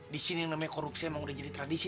di sini namanya korupsi itu sudah jadi tradisi